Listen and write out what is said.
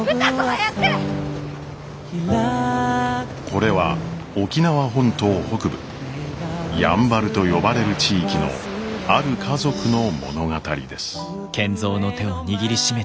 これは沖縄本島北部「やんばる」と呼ばれる地域のある家族の物語です。